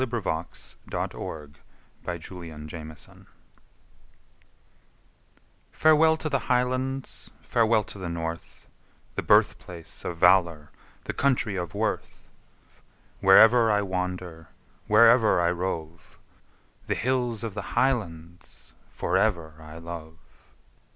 Robert Burns My Heart's in the Highlands FAREWELL to the Highlands, farewell to the North, The birthplace of valour, the country of worth! Wherever I wander, wherever I roam, The hills of the Highlands for ever I love.